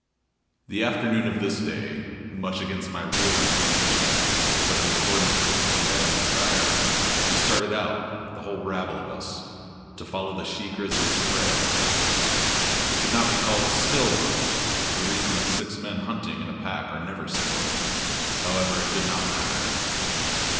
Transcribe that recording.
The afternoon of this day, much against my real inclination, but in accordance with the prevailing desire, we started out, the whole rabble of us, to follow the she grizzly's trail. It could not be called a "still hunt," for the reason that six men hunting in a pack are never still; however, it did not matter.